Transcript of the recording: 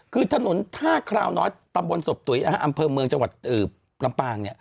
คือถนนท่าคราวน้อยตำบลศพตุ๋ยอำเภอเมืองจังหวัดลำปาง